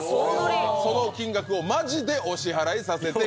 その金額をマジでお支払いさせていただきます。